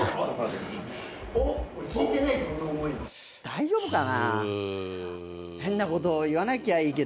大丈夫かな？